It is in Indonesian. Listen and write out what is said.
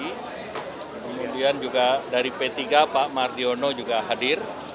pak kaisar dari psi kemudian juga dari p tiga pak mardiono juga hadir